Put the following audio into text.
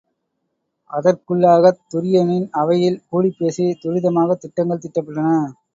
அதற்குள்ளாகத் துரியனின் அவையில் கூடிப்பேசி துரிதமாகத் திட்டங்கள் தீட்டப்பட்டன.